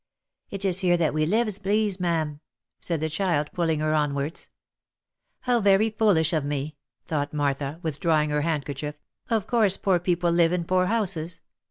" It is here that we lives, please ma'am," said the child, pulling her onwards. " How very foolish of me !" thought Martha, withdrawing her handkerchief, " of course poor people live in poor houses.